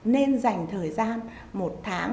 nên dành thời gian một tháng